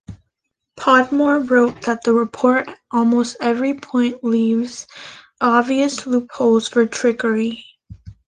Podmore wrote that the report at almost every point leaves obvious loopholes for trickery.